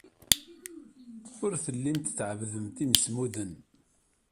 Ur tellimt tɛebbdemt imsemmuden.